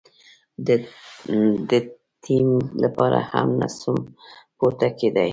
د تيمم لپاره هم نسوم پورته کېداى.